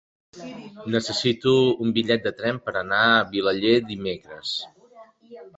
Necessito un bitllet de tren per anar a Vilaller dimecres.